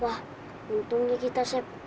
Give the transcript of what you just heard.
wah untungnya kita siap